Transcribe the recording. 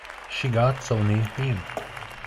She got so near him.